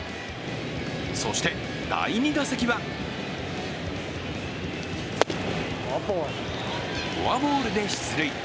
そして第２打席はフォアボールで出塁。